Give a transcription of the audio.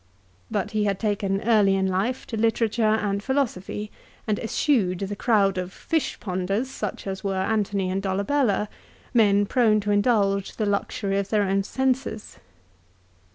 But he had taken early in life to literature and philosophy, and eschewed the crowd of " Fishponders," such as were Antony and Dolabella, men prone to indulge the luxury of their own senses.